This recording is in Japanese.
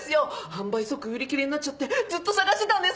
販売即売り切れになっちゃってずっと探してたんです！